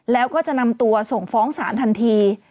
แล้วก็จะนำตัวส่งฟ้องศาลทันที